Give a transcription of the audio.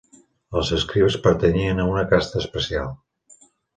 Els escribes pertanyien a una casta especial.